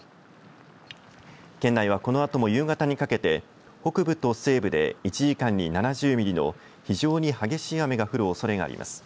県内は、このあとも夕方にかけて北部と西部で１時間に７０ミリの非常に激しい雨が降るおそれがあります。